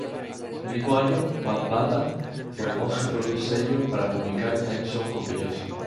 El mismo año, Bambaataa formó su propio sello para publicar Time Zone Compilation.